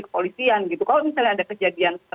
kepolisian kalau misalnya ada kejadiannya